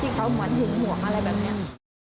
ที่เขาเหมือนหินห่วงอะไรแบบนี้